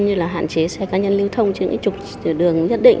như là hạn chế xe cá nhân lưu thông trên những trục đường nhất định